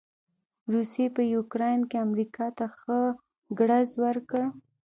روسې په يوکراين کې امریکا ته ښه ګړز ورکړ.